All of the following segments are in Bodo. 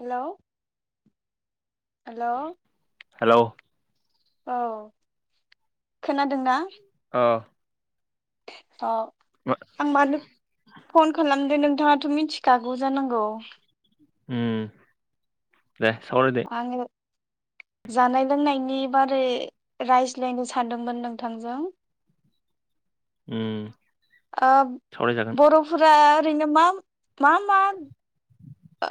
हेल' हेल' हेलौ औ खोनादोंना? ओ अ आं मानो फन खालाम नोंथाङाथ मिथिखागौ जानांगौ उम [unintelligible] जानाय लोंनायनि बारै रायज्लायनो सानदोंमोन नोंथांजों। [inaudible] उम सावरायजागोन बर'फोरा ओरैनो मा मा मा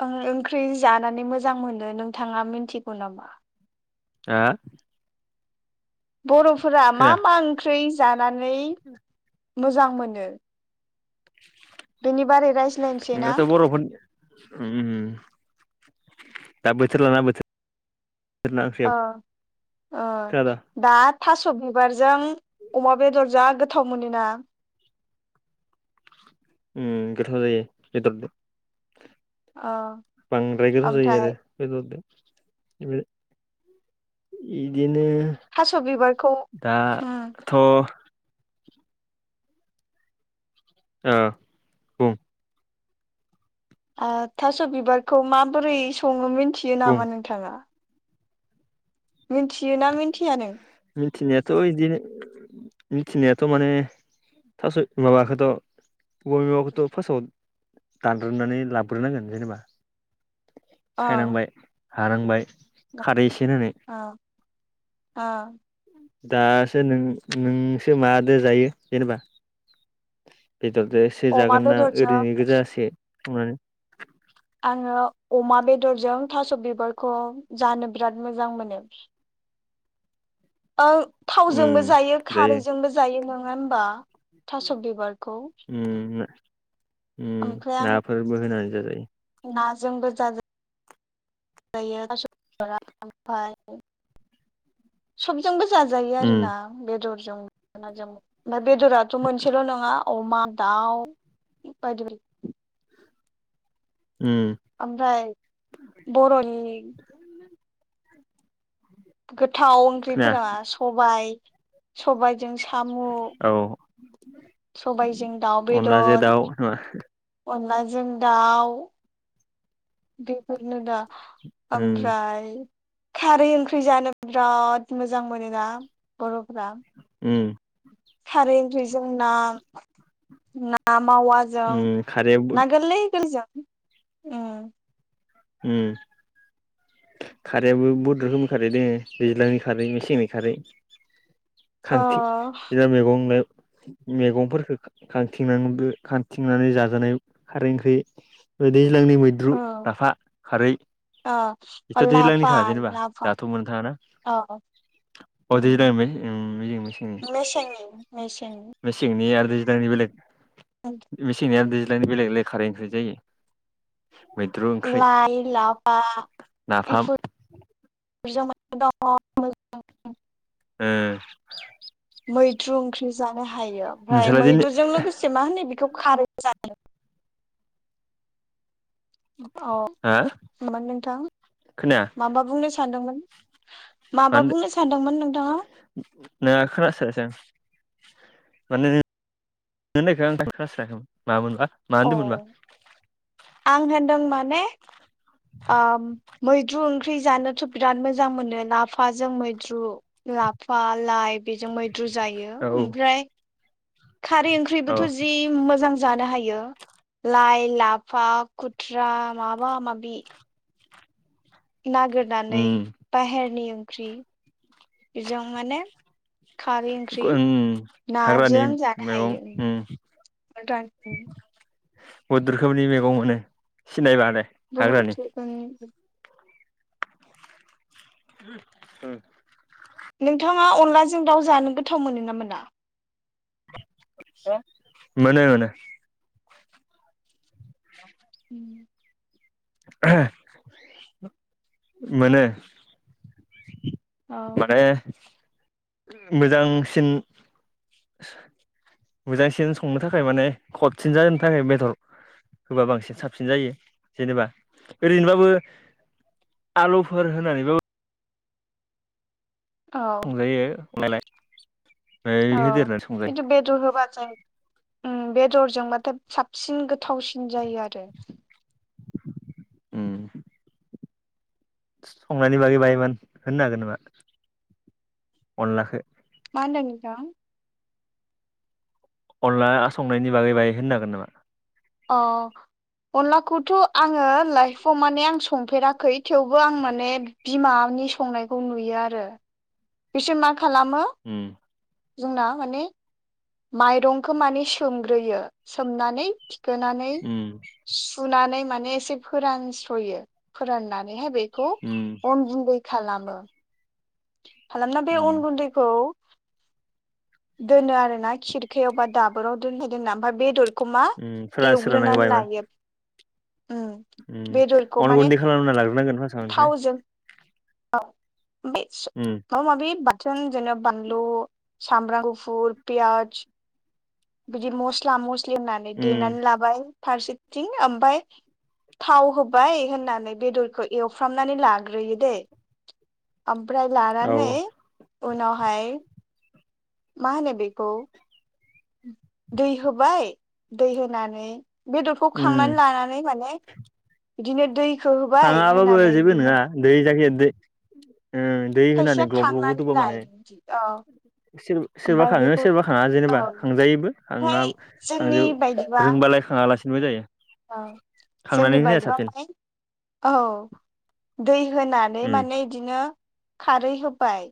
ओ ओंख्रि जानानै मोजां मोनो नोंथाङा मिन्थिगौ नामा? आ बर'फोरा मा मा ओंख्रि जानानै मोजां मोनो? बेनि बारै रायज्लायनोसै ना? दाथ' [inaudible] बर'फोरनि उम दा बोथोर लाना बोथो ओ ओ खोनादों दा थास' बिबारजों अमा बेदर जा गोथाव मोनोना? उम गोथाव जायो बेदरजों अ बांद्राय गोथाव जायो आरो ओमफ्राय बेदरदो। [unintelligible] इदिनो थास' बिबारखौ दा उम थ ओ बुं थास' बिबारखौ माबोरै सङो मिथियो बुं नामा नोंथाङा? मिथियोना मिथिया नों? मिथिनायाथ इदिनो मिथिनायाथ माने थास माबाखोथ [unintelligible] दानद्रोमनानै लाबग्रोनांगोन जेनेबा अ सायनांबाय हानांबाय खारै एसे होनानै आ दासो नों नोंसो मादो जायो जेनेबा? बेदरदोसो अमा जागोन ना बेदरजों ओरैनो गोजासो संनानै आङो अमा बेदरजों थास' बिबरखौ जानो बिराद मोजां मोनो। [unintelligible] थावजोंबो उम जायो खारैजोंबो जायो नोङा होनबा थास' बिबारखौ? उम उम ओमफ्राय नाफोरबो होनानै जाजायो। जोंबो जाजा जाजायो थास' बिबारा आमफाय सबजोंबो जाजायो उम आरो ना बेदरजों नाजों बेदराथ' मोनसेल' नङा अमा दाउ बायदि बाय उम आमफाय बर'नि गोथाव खोनाया ओंख्रिफोरा सबाय सबायजों सामु औ सबायजों दाउ अनलाजों बेदर दाउ नङा अनलाजों दाउ बेफोरनो दा उम आमफ्राय खारै ओंख्रि जानो बिराद मोजां मोनोना बर'फोरा। उम खारै ओंख्रिजों ना ना मावाजों उम खारैया बहुद ना गोरलै गोरलैजों उम उम खारैयाबो बुहद रोखोमनिबो खारै दोङो दैज्लांनि खारै मेसेंनि खारै ओ खांखि आओजा मैगं लाय मेगंफोरखौ खांथिं खांथिंनानै जाजानाय खारै ओंख्रि बिदि लांनि मैद्रु ओ लाफा खारै अ अ बेथ' लाफा दैलांनिखा जेनेबा लाफा दाथ' मोननो थाङाना अ [unintelligible] उम मेसेंनि मेसेंनि मेसेंनि मेसेंनि आरो दैज्लांनि बेलेग मेसेंनि दैज्लांनि बेलेग बेलेग खारै ओंख्रि जायो मैद्रु ओंख्रि लाइ लाफा नाफाम [unintelligible] [unintelligible] [unintelligible] मैद्रु ओंख्रि जानो हायो ओमफ्राय नोंस्रालाय दिनै मैद्रुजों लोगोसे मा होनो बेखौ खारैबो जायो अ हा हेलौ नोंथां खोनाया माबा बुंनो सानदोंमोन मा माबा होनदो बुंनो सानदोंमोन नोंथाङा मा खोनास्रायासै आं माने नोंनि होननायखो आं खोनास्राखैमोन मा मोनबा अ आं होनदों माने ओ मैद्रु ओंख्रि जानोथ' बिराद मोजां मोनो लाफाजों मैद्रु लाफा लाइ बेजों मैद्रु जायो औ ओमफ्राय खारै औ ओंख्रिबोथ' जि मोजां जानो हायो लाइ लाफा खुथ्रा माबा माबि नागिरनानै उम बाहेरनि ओंख्रि बेजों माने खारै ओंख्रि उम हाग्रानि नाजों जानो मैगं उम हायो [unintelligible] बुहुद रोखोमनि मैगं मोनो सिनायलानो [unintelligible] [unintelligible] नोंथाङा अनलाजों दाउ जानो गोथाव मोनो ना मोना? मोनो मोनो [inaudible] [unintelligible] मोनो औ माने मोजांसिन मोजांसिन संनो थाखाय माने खथसिन जानो थाखाय बेदर होबा बांसिन साबसिन जायो जेनेबा ओरैनोबाबो आलुफोर होनानै बाबो औ संजायो नालाय अ खिनथु बेदर होबा ओम बेदरजोंबाथाय साबसिन गोथावसिन जायो आरो उम संनायनि बागै बाहाय मान होननो हागोन नामा अनलाखो मा होनदों नोंथां अनला संनायनि बागै बाहाय होननो हागोन नामा? अ अनलाखौथ' आङो लाइफआव माने आं संफेराख खै थेवबो आं माने बिमानि संनायखौ नुयो आरो बिसोर मा खालामो उम जोंना माने माइरंखौ माने सोमग्रोयो सोमनानै थिखोनानै उम सु सुनानै माने एसे फोरानस्र'यो फोराननानैहाय बेखौ उम अन गुन्दै खालामो खालामना बे उम अन गुन्दैखौ दोनो आरोना खिरखायाव बा दाबोराव दोनबाय दोनना ओमफ्राय बेदर बेखो मा उम फोरान एवग्रोनानै लायो। उम बेदरखौ उम अन माने गुन्दै खालामना लाग्रोनांगोन फासाव ओमफ्राय औ बे उम माबा माबि जों जेनेबा बानलु सामब्राम गुफुर पियास बिदि मस्ला मस्लि होननानै देनानै उम लाबाय फारसेथिं ओमफाय थाव होबाय होननानै बेदरखौ एवफ्रामनानै लाग्रोयो दे ओमफ्राय औ लानानै उनावहाय मा होनो बेखौ दै होबाय दै होनानै बेदरखौ उम खांनानै लानानै माने बिदिनो दै खाङाबाबो जेबो नङा दै जाखि दै उ दै खायसेया होनानै ग्लब ग्लब खांनानै गोदौबा माने लायो बिदि औ सोरबा ओमफ्राय खाङो बेखौ सोरबा खाङा औ जेनेबा खांजायोबो हाङा ओमफ्राय खाङा जोंनि बायदिबा रोंबाला। खाङा लासिनोबो जायो। औ जोंनि खांनानै होनाया बायदिबा साबसिन माने औ दै। होनानै उम माने बिदिनो खारै होबाय।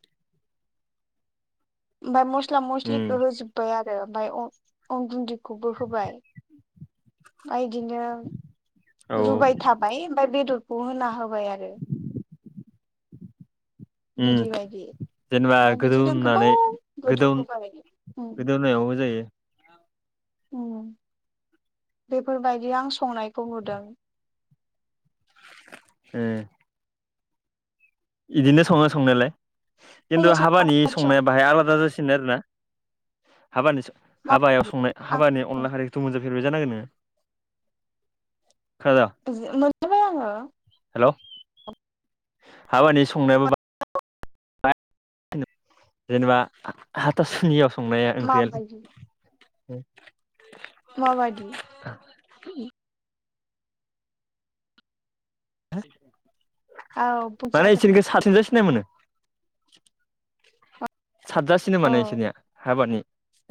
ओमफ्राय मस्ला उम मस्लिखौ होजोबबाय आरो ओमफ्राय अ अन गुनदैखौबो होबाय आ औ बिदिनो रुबाय थाबाय ओमफ्राय बेदरखौ होना होबाय आरो। उम बिदि बायदि। जेनेबा ओमफ्राय गोदौ बिदिनो गोबाव होननानै गोदौ गोदौहोबाय उ गोदौनायावबो जायो बेफोरबायदि आं संनायखौ नुदों। ए बिदिनो सङो संनायालाय खिन्थु मोनजाबाय हाबानि संनाया बाहाय आलादा जासिनो आरोना। हाबानि हाबायाव संनाय हाबानि अनला हारिखौथ' मोनजा बाय जानांगोन नोङो। खोनादों मोनजाबाय आङो। हेल' हाबानि संनायाबो जेनेबा हाथासुनियाव संनाया माबायदि ओंख्रिया। [inaudible] माबादि। [unintelligible] औ माने बुंजागोन इसोरनिखौ सारसेजो सिनाय मोनो। साबजासिनो माने औ इसोरनिया हाबानि।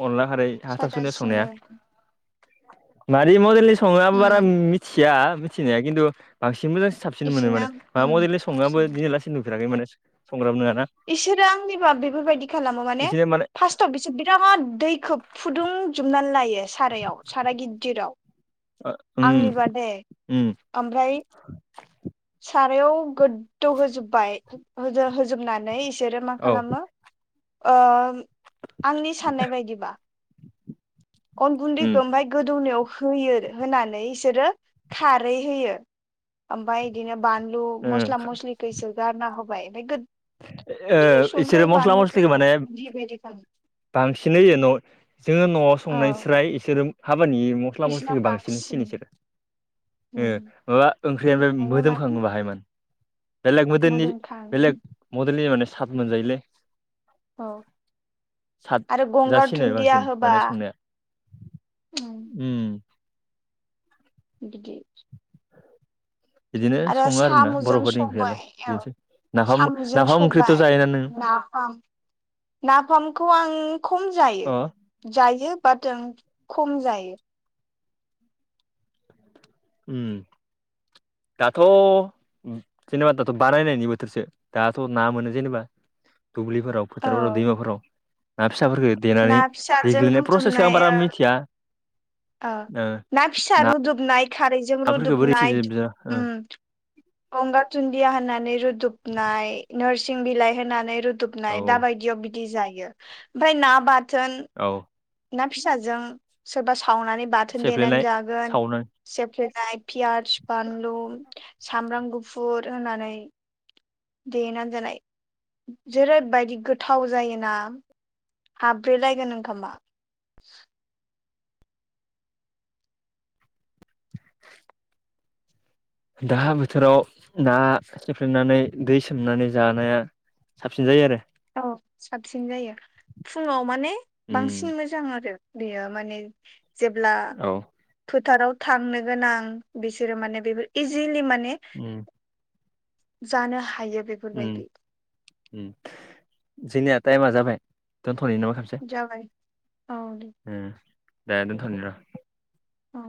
अनला खारै हाथारसुनियाव संनाया सादासिनो मादि मडेलनि सङो आंबो उम बारा मिथि। मिथिया मिथिनाया खिन्थु बांसिन मोजां साबसिन मोनो बिसोरना माने माबा उम मडेललन सङो साबसिन आंबो दिनैआलासि नुफेराखै माने। संग्राबो नङाना इसोरो आंनिबा बेफोरबायदि खालामो माने फार्स्आव बिसोर बिरादाद दैखोब। फुदुंजोबनानै लायो सारायाव साराय गिददिराव। उम आंनि बा दे उम ओमफ्राय। सारायाव गोददौ होजोबबाय होजोबनानै। बिसोरो मा औ खालामो ओम आंनि साननाय बायदिबा। अन उम गुन्दैखौ ओमफाय गोदौनायाव। होयो होनानै इसोरो खारै होयो ओमफाय इदिनो। बानलु ओ मस्ला मसलिखो इसोर गारना होबाय ओमफाय गोद ओ इदिनो इसोरो संख्राय बानलुखौ बेदिख। बांसिनै जेन' जोङो न'आव औ संनायस्राय इसोरो। हाबानि मस्ला मस्लिखौ बांसिन होसिनो इसोरो। ए माबा ओंख्रियानो माने माने मोदोमखाङो बाहायमोन बेलेग मदेलनि मोदोमखाङो बेलेग मदेलनि माने साट मोनजायोलै। औ आरो गंगार सातजासिनो दुन्दिया बांसिन होबा माने संनाया। उम। दि। बिदिनो आरो सङो आरोना साम'जों बर'फोरनि ओंख्रियालाय सबाय औ बिदिनोसै नाफाम सामुजों नाफाम ओंख्रिथ' सबाय जायोना नों ना। नाफाम नाफामखौ आं खम जायो अ जायो। बाथों खम जायो। उम। दाथ' जेनेबा दाथ' बानायनायनि बोथोरसो दाथ' ना मोनो जेनेबा। [unintelligible] दुब्लिफोराव फोथारफोराव औ दैमाफोराव। ना फिसाफोरखौ ना देनानै फिसाजों देग्लिनाय प्रसेसखौ आं रुदुबनाय बारा ओ मिथिया ओ ना फिसा रुदुबनाय खारैजों नाफोरखौ बोरै रुदुबनाय। गंगार दुन्दिया होनानै रुदुबनाय नोरसिं बिलाइ होनानै रुद औ दुबनाय दा बायदियाव बिदि जायो ओमफाय ना बाथोन। औ ना फिसाजों सोरबा सावनानै बाथोन देनानै सेफ्लेनाय जागोन सावनाय सेफ्लेनाय। पियास बानलु सामब्राम गुफुर होनानै। देनानै जानाय जेरैबायदि गोथाव जायोना। हाबब्रेलायगोन ओंखामा। [unintelligible] दा बोथोराव ना सेफ्लेनानै दै सोमनानै जानाया। साबसिन जायो आरो। औ साबसिन जायो फुङाव माने उम बांसिन मोजां आरो। बेयो माने जेब्ला औ फोथ फोथाराव थांनो गोनां बिसोरो माने बेफोर इजिलि माने। उम जानो हायो बेफोरबायदि। जेनिया टाइमा जाबाय दोनथ' हरै न' आव जाबाय औ दे [unintelligible] ओम दे दोनथ'नि र' औ।